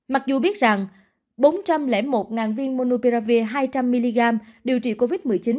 mặc dù biết rằng bốn trăm linh một viên monupiravi hai trăm linh mg điều trị covid một mươi chín